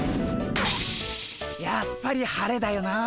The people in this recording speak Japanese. やっぱり晴れだよなあ。